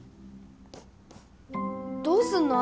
どうするの？